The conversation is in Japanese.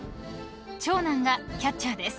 長男がキャッチャーです］